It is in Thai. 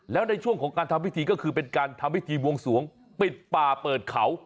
แล้วในช่วงของการทำพิธีก็คือเป็นการทำพิธีบวงสวงปิดป่าเปิดเขา